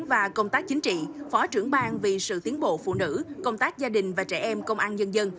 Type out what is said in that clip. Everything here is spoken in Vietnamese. và công tác chính trị phó trưởng bang vì sự tiến bộ phụ nữ công tác gia đình và trẻ em công an nhân dân